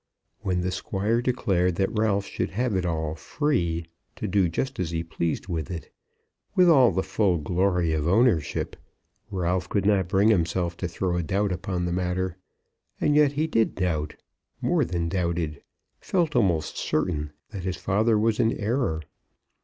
When the Squire declared that Ralph should have it all, free, to do just as he pleased with it, with all the full glory of ownership, Ralph could not bring himself to throw a doubt upon the matter. And yet he did doubt; more than doubted; felt almost certain that his father was in error.